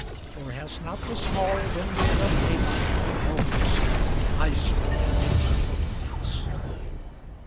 For has not the small vineyard of Naboth been always an eyesore to neighbouring potentates?